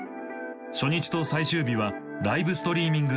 初日と最終日はライブストリーミング配信。